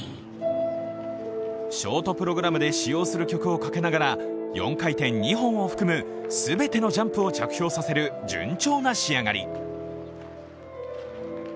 ショートプログラムで使用する曲をかけながら４回転２本を含む全てのジャンプを着氷させる順調な仕上がり。